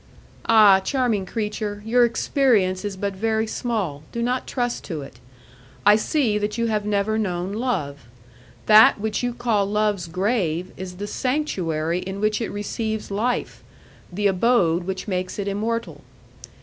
"Ah! charming creature, your experience is but very small; do not trust to it. I see that you have never known love. That which you call love's grave is the sanctuary in which it receives life, the abode which makes it immortal.